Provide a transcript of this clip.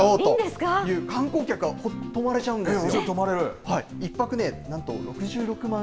観光客が泊まれちゃうんですよ。